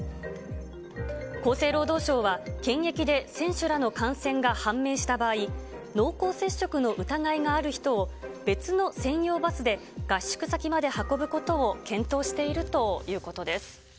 厚生労働省は、検疫で選手らの感染が判明した場合、濃厚接触の疑いがある人を、別の専用バスで合宿先まで運ぶことを検討しているということです。